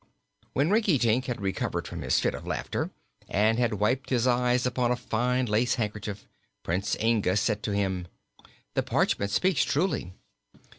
When Rinkitink had recovered from his fit of laughter and had wiped his eyes upon a fine lace handkerchief, Prince Inga said to him: "The parchment speaks truly."